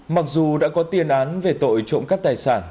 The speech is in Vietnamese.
mặc dù đã có tiền án về tội trộm cắp tài sản